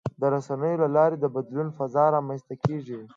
د رسنیو له لارې د بدلون فضا رامنځته کېږي.